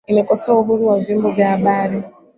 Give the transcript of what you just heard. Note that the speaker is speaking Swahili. imekosoa uhuru wa vyombo vya habari